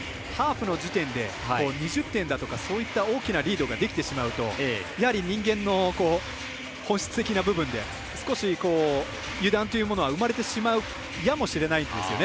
ハーフの時点で２０点だとかそういった大きなリードができてしまうと、やはり人間の本質的な部分で少し油断というものは生まれてしまうやもしれない。